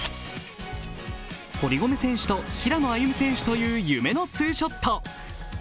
堀米選手と平野歩夢選手という夢のツーショット。